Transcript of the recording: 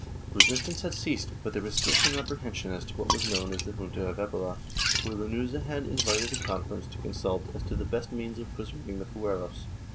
Resistance had ceased, but there was still some apprehension as to what was known as the Junta of Epila, where Lanuza had invited a conference to consult as to the best means of preserv ing the fueros.